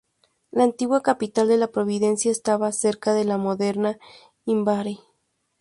La antigua capital de la provincia estaba cerca de la moderna Imabari.